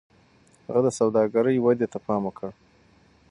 هغه د سوداګرۍ ودې ته پام وکړ.